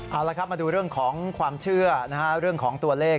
เอาละครับมาดูเรื่องของความเชื่อนะฮะเรื่องของตัวเลข